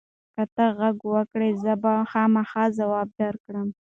که ته غږ وکړې، زه به خامخا ځواب درکړم.